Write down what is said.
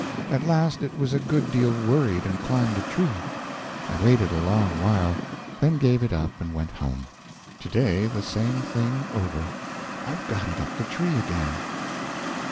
At last it was a good deal worried, and climbed a tree. I waited a good while, then gave it up and went home. Today the same thing over. I've got it up the tree again.